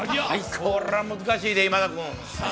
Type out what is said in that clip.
これは難しいで、今田君。